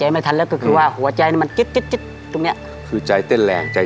และในเวลาเหนื่อยมาก